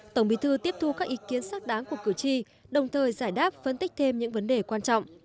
tổng bí thư tiếp thu các ý kiến xác đáng của cử tri đồng thời giải đáp phân tích thêm những vấn đề quan trọng